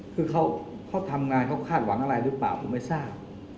คือเขาทำงานเขาคาดหวังอะไรหรือเปล่าผมไม่ทราบ